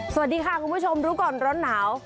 สวัสดีค่ะคุณผู้ชมรู้ก่อนร้อนหนาว